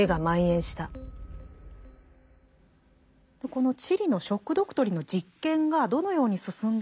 このチリの「ショック・ドクトリン」の実験がどのように進んだのか